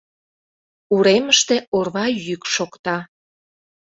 Уремыште орва йӱк шокта.